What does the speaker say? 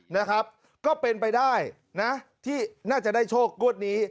นะครับก็เป็นไปได้นะที่น่าจะได้โชคงวดนี้